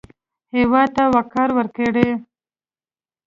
هېواد ته وقار ورکړئ